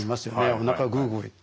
おなかグーグーいって。